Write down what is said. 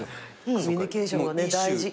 コミュニケーションはね大事。